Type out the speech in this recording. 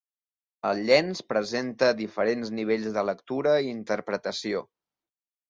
El llenç presenta diferents nivells de lectura i interpretació.